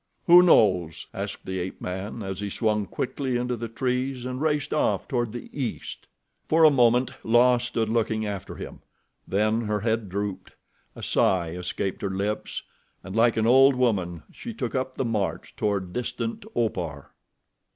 "Who knows?" asked the ape man as he swung quickly into the trees and raced off toward the east. For a moment La stood looking after him, then her head drooped, a sigh escaped her lips and like an old woman she took up the march toward distant Opar.